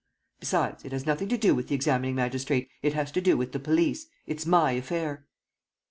Besides, it has nothing to do with the examining magistrate, it has to do with the police. It's my affair."